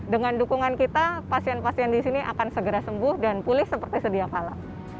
dengan dukungan kita pasien pasien di sini akan segera sembuh dan pulih seperti sedia kala